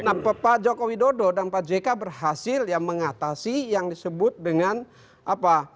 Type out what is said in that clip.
jadi pak jokowi dodo dan pak jk berhasil ya mengatasi yang disebut dengan apa